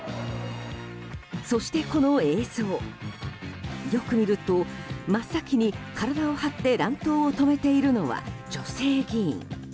そしてこの映像、よく見ると真っ先に体を張って乱闘を止めているのは女性議員。